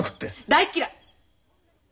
大っ嫌い！